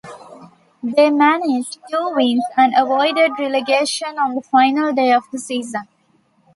They managed two wins and avoided relegation on the final day of the season.